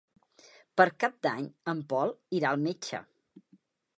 Per Cap d'Any en Pol irà al metge.